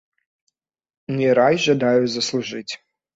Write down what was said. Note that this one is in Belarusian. Не рай жадаю заслужыць.